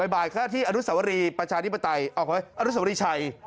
บ่ายค่ะที่อนุสาวรีประชานิปไตยอ๋ออนุสาวรีชัย